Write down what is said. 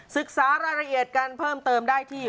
ศึกษารายละเอียดกันเพิ่มเติมได้ที่